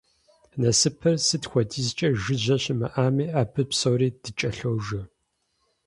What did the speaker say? Насыпыр сыт хуэдизкӀэ жыжьэ щымыӀами, абы псори дыкӀэлъожэ.